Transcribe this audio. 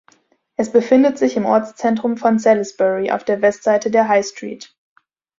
Es befindet sich im Ortszentrum von Salisbury auf der Westseite der High Street.